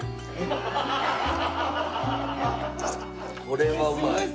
これはうまい。